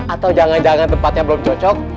atau jangan jangan tempatnya belum cocok